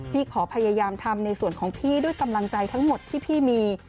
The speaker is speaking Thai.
พี่ขอพยายามทำในส่วนของพี่ด้วยกำลังใจทั้งหมดที่พี่มี